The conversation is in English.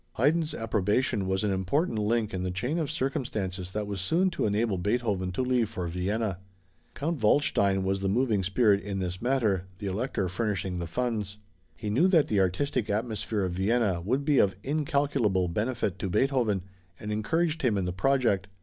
Haydn's approbation was an important link in the chain of circumstances that was soon to enable Beethoven to leave for Vienna. Count Waldstein was the moving spirit in this matter, the Elector furnishing the funds. He knew that the artistic atmosphere of Vienna would be of incalculable benefit to Beethoven and encouraged him in the project.